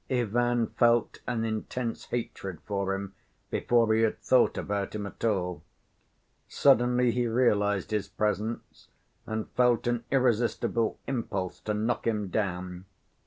Ivan felt an intense hatred for him before he had thought about him at all. Suddenly he realized his presence and felt an irresistible impulse to knock him down.